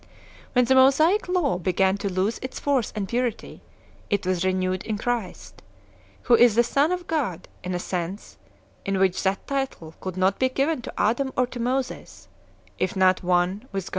When the Mosaic law began to lose its force and purity, it was renewed in Christ, who is the Son of God in a sense in which that title could not be given to Adam or to Moses, if not one with God in the 1 Hippolytus, Hceres.